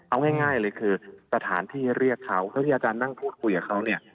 เอาง่ายเลยคือสถานที่เรียกเขาเท่าที่อาจารย์นั่งพูดคุยกับเขาเนี่ย